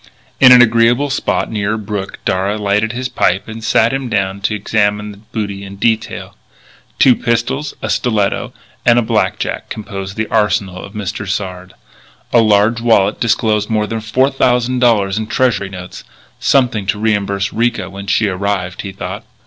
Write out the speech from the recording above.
In an agreeable spot near a brook Darragh lighted his pipe and sat him down to examine the booty in detail. Two pistols, a stiletto, and a blackjack composed the arsenal of Mr. Sard. A large wallet disclosed more than four thousand dollars in Treasury notes something to reimburse Ricca when she arrived, he thought.